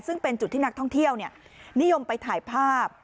ซึ่งเป็นจุดที่นักท่องเที่ยวนิยมไปถ่ายภาพ